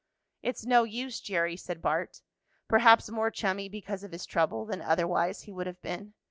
"It's no use, Jerry," said Bart, perhaps more chummy because of his trouble than otherwise he would have been.